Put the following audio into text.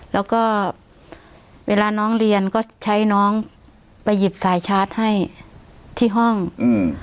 แล้วก็เวลาน้องเรียนก็ใช้น้องไปหยิบสายชาร์จให้ที่ห้องอืม